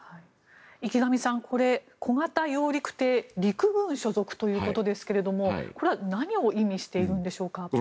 池上さん、小型揚陸艇陸軍所属ということですがこれは何を意味しているのでしょうか。